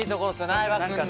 相葉君の。